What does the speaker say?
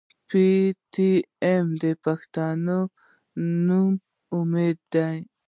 پي ټي ايم د پښتنو نوی امېد دی.